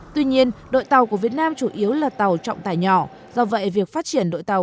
tuy nhiên đội tàu của việt nam chủ yếu là tàu trọng tài nhỏ do vậy việc phát triển đội tàu